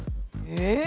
えっ？